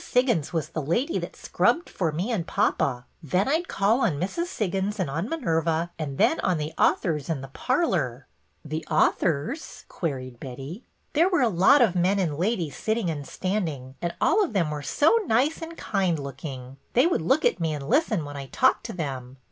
Siggins was the lady that scrubbed for me and papa. Then I 'd call on Mrs. Siggins and on Minerva, and then on the authors in the parlor." '' The authors ?" queried Betty. " There were a lot of men and ladies sitting and standing, and all of them were so nice and kind looking. They would look at me and listen when I talked to them.